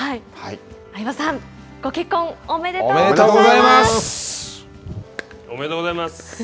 相葉さん、ご結婚おめでとうございます！